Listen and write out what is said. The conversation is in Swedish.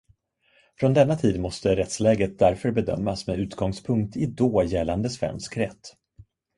Från denna tid måste rättsläget därför bedömas med utgångspunkt i då gällande svensk rätt.